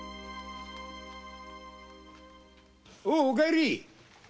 お帰り！